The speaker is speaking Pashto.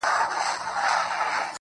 ته چرته مينه په دې خـــــړو پښتنو کې وکه